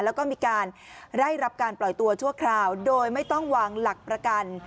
แล้วก็มีการได้รับการปล่อยตัวชั่วคราวโดยไม่ต้องวางหลักประกัน